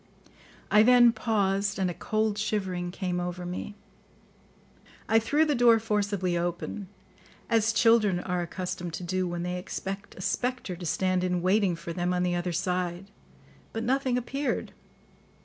I then paused, and a cold shivering came over me. I threw the door forcibly open, as children are accustomed to do when they expect a spectre to stand in waiting for them on the other side; but nothing appeared.